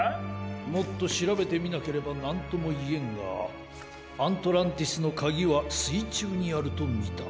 もっとしらべてみなければなんともいえんがアントランティスのかぎはすいちゅうにあるとみた。